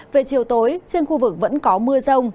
về chiều tối trên khu vực vẫn có mưa rông